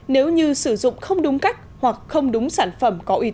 nếu như sử dụng không đúng cách hoặc không đúng sản phẩm có uy tín